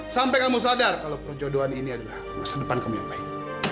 sampai kamu sadar kalau perjodohan ini adalah masa depan kamu yang baik